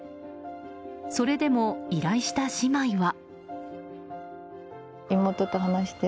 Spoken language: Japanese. それでも、依頼した姉妹は。